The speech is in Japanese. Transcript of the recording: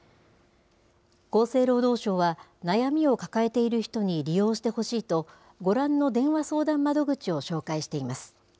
厚生労働省は、悩みを抱えている人に利用してほしいと、ご覧の電話相談窓口を紹介しています。